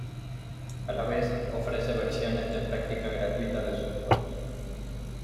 A la vez, ofrece versiones de práctica gratuitas de sus juegos.